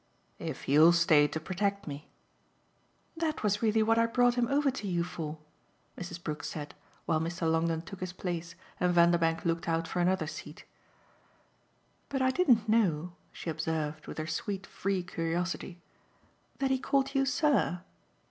"If you'll stay to protect me." "That was really what I brought him over to you for," Mrs. Brook said while Mr. Longdon took his place and Vanderbank looked out for another seat. "But I didn't know," she observed with her sweet free curiosity, "that he called you 'sir.